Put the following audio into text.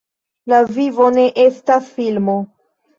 La vivo ne estas filmo.